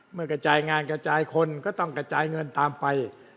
กระจายงานกระจายคนก็ต้องกระจายเงินตามไป